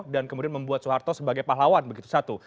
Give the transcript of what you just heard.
dan kemudian membuat soeharto sebagai pahlawan begitu satu